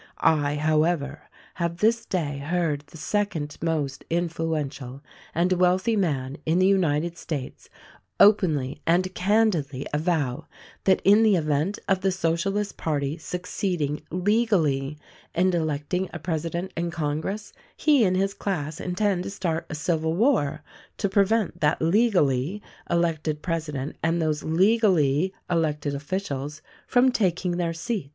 I, however, have this day heard the second most influential and wealthy man in the United States openly and candidly avow that in the event of the Socialist party succeeding legally in electing a presi dent and congress, he and his class intend to start a civil war to prevent that legally elected president and those legally elected officials from taking their seats.